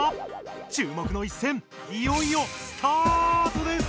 ちゅう目の一戦いよいよスタートです！